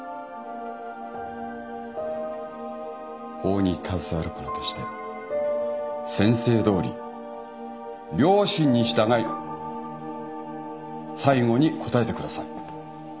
法に携わる者として宣誓どおり良心に従い最後に答えてください。